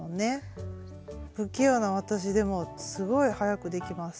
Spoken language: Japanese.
不器用な私でもすごい早くできます。